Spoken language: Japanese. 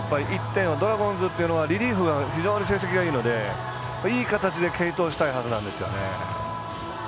ドラゴンズというのはリリーフが非常に成績がいいのでいい形で継投したいはずなんですよね。